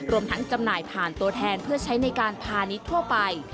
รวมทั้งจำหน่ายผ่านตัวแทนเพื่อใช้ในการพาณิชย์ทั่วไป